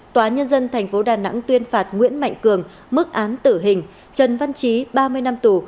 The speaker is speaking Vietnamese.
tòa nhân dân tp đà nẵng tuyên phạt nguyễn mạnh cường mức án tử hình trần văn trí ba mươi năm tù